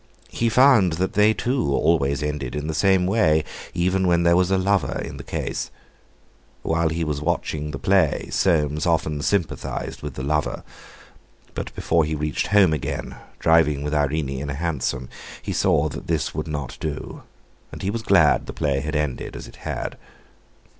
He found that they too always ended in the same way, even when there was a lover in the case. While he was watching the play Soames often sympathized with the lover; but before he reached home again, driving with Irene in a hansom, he saw that this would not do, and he was glad the play had ended as it had.